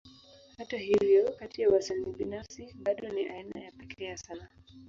Hata hivyo, kati ya wasanii binafsi, bado ni aina ya pekee ya sanaa.